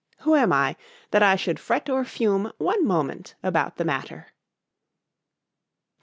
——Who am I, that I should fret or fume one moment about the matter? C H A P.